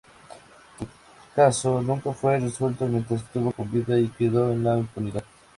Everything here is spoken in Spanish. Su caso nunca fue resuelto mientras estuvo con vida y quedó en la impunidad.